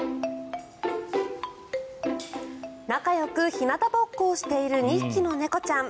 仲よく日なたぼっこをしている２匹の猫ちゃん。